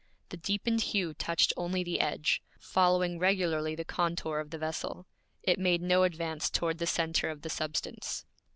The deepened hue touched only the edge, following regularly the contour of the vessel; it made no advance toward the centre of the substance.